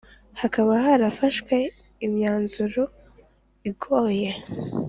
Hakaba harafashwe imyanzuru igoye.